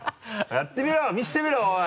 やってみろよ見せてみろおい！